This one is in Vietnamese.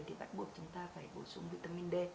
thì bắt buộc chúng ta phải bổ sung vitamin d